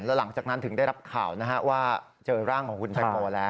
แล้วหลังจากนั้นถึงได้รับข่าวนะฮะว่าเจอร่างของคุณแตงโมแล้ว